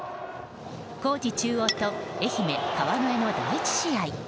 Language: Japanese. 高知中央と愛媛・川之江の第１試合。